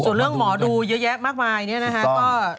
ส่วนเรื่องหมอดูเยอะแยะมากมายเนี่ยนะฮะ